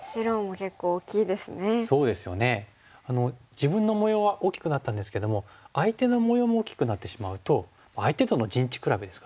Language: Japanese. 自分の模様は大きくなったんですけども相手の模様も大きくなってしまうと相手との陣地比べですからね。